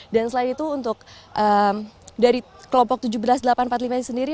dan selain itu untuk dari kelompok tujuh belas delapan empat puluh lima sendiri